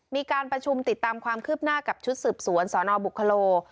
มีการประชุมติดตามความคืบหน้ากับชุดสืบสวนสนบุคโล